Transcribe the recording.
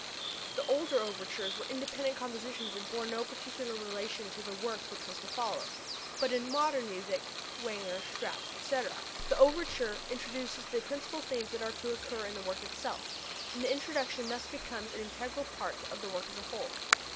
The older overtures were independent compositions and bore no particular relation to the work which was to follow, but in modern music (cf. Wagner, Strauss, etc.), the overture introduces the principal themes that are to occur in the work itself, and the introduction thus becomes an integral part of the work as a whole.